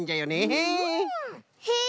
へえ